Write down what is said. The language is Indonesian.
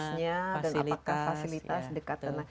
dan apakah fasilitas dekat